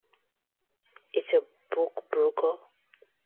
It's a book broker.